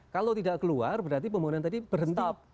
kalau tidak keluar berarti pembangunan tadi berhenti